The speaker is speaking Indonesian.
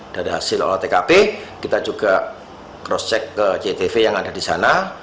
dari hasil olah tkp kita juga cross check ke jtv yang ada di sana